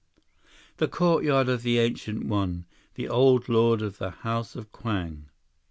"The courtyard of the Ancient One. The Old Lord of the House of Kwang."